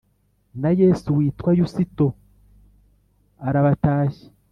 Na Yesu witwa Yusito arabatashya